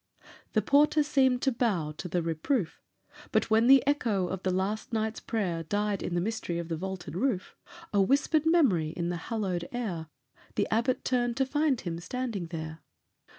The porter seemed to bow to the reproof; But when the echo of the night's last prayer Died in the mystery of the vaulted roof, A whispered memory in the hallowed air, The Abbot turned to find him standing there.